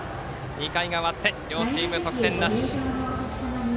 ２回が終わって両チーム得点なし。